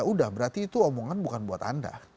udah berarti itu omongan bukan buat anda